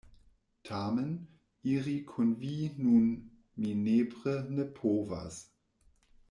Tamen, iri kun vi nun mi nepre ne povas.